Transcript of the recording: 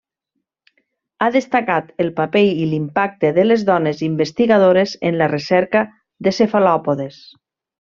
Ha destacat el paper i l'impacte de les dones investigadores en la recerca de cefalòpodes.